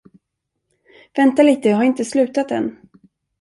Vänta lite jag har inte slutat än!